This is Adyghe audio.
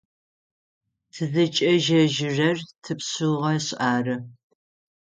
Тызыкӏежьэжьырэр тыпшъыгъэшъ ары.